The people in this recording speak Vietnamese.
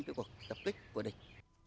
cái cuộc tập kích của địch